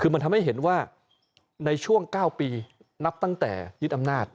คือมันทำให้เห็นว่าในช่วง๙ปีนับตั้งแต่ยึดอำนาจ